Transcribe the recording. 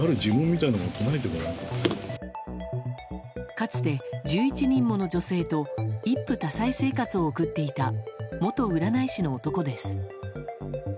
かつて、１１人もの女性と一夫多妻生活を送っていた元占い師の男です。